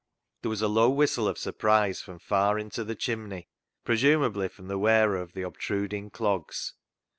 There was a low whistle of surprise from far into the chimney, presumably from the wearer of the obtruding clogs.